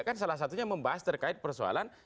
kan salah satunya membahas terkait persoalan